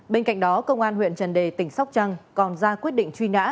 bên cạnh đó công an huyện trần đề tỉnh sóc trăng còn ra quyết định truy nã